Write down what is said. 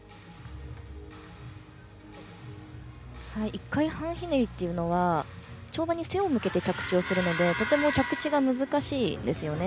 １回半ひねりというのは跳馬に背を向けて着地をするのでとても着地が難しいんですね。